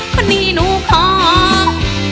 คนนี้หนูคลอง